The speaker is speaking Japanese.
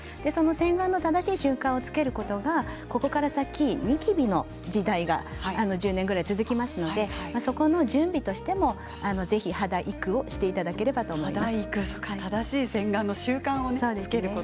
洗顔の正しい習慣をつけることがここから先ニキビの時代が１０年ぐらい続きますのでそこの準備としても肌育をいただければと思います。